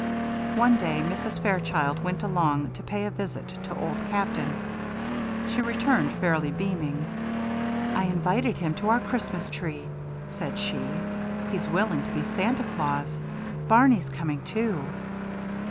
One day, Mrs. Fairchild went alone to pay a visit to Old Captain. She returned fairly beaming. "I invited him to our Christmas tree," said she. "He's willing to be Santa Claus. Barney's coming too."